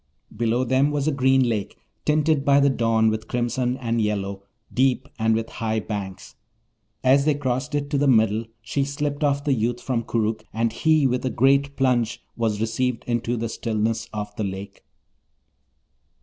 Below them was a green lake, tinted by the dawn with crimson and yellow, deep, and with high banks. As they crossed it to the middle, she slipped off the youth from Koorookh, and he with a great plunge was received into the stillness of the lake.